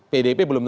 pdip belum bisa